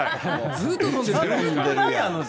ずっと飲んでる。